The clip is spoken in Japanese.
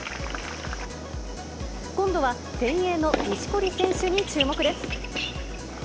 今度は前衛の錦織選手に注目です。